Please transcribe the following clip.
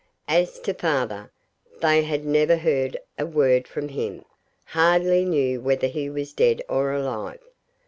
As to father, they had never heard a word from him hardly knew whether he was dead or alive.